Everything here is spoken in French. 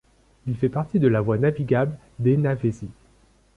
Il fait partie de la voie navigable d'Heinävesi.